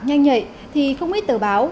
nhanh nhạy thì không ít tờ báo